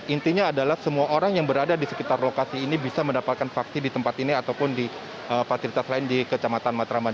intinya adalah semua orang yang berada di sekitar lokasi ini bisa mendapatkan vaksin di tempat ini ataupun di fasilitas lain di kecamatan matraman